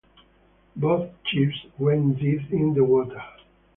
Both ships went dead in the water.